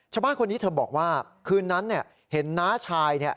ชาวบ้านคนนี้เธอบอกว่าคืนนั้นเห็นน้าชาย